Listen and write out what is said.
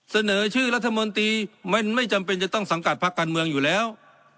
เสนอชื่อรัฐมนตรีมันไม่จำเป็นจะต้องสังกัดพักการเมืองอยู่แล้ว